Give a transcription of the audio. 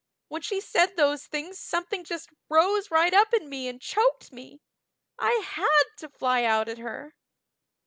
When she said those things something just rose right up in me and choked me. I had to fly out at her."